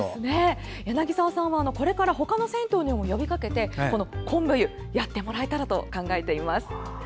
柳澤さんは、これからほかの銭湯にも呼びかけてこんぶ湯をやってもらえたらと考えています。